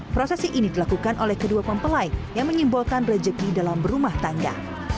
prosesi ini dilakukan oleh kedua mempelai yang menyimbolkan rezeki dalam berumah tangga